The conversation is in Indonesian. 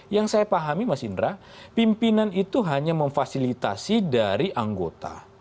yang saya pahami mas indra pimpinan itu hanya memfasilitasi dari anggota